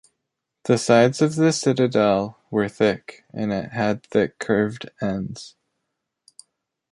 The sides of the citadel were thick and it had thick curved ends.